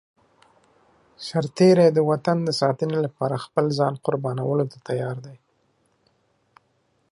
سرتېری د وطن د ساتنې لپاره خپل ځان قربانولو ته تيار دی.